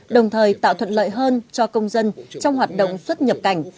đồng thời tạo thuận lợi hơn cho công dân trong hoạt động xuất nhập cảnh